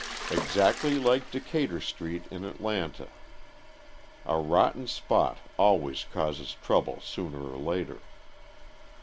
Exactly like Decatur Street in Atlanta! A rotten spot always causes trouble sooner or later.